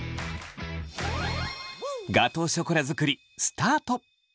ガトーショコラ作りスタート！